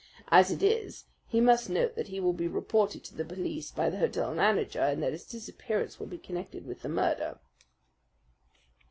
As it is, he must know that he will be reported to the police by the hotel manager and that his disappearance will be connected with the murder."